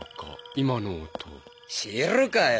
今の音知るかよ